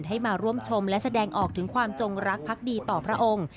ให้มาร่วมชมและแสดงออกถึงความจงรักพักดีต่อพระองค์